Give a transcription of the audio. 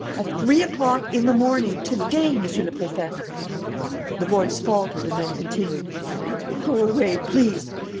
At three o'clock in the morning, to day, Monsieur le Préfet!" The voice faltered and then continued: "Go away, please.